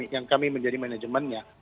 yang kami menjadi manajemennya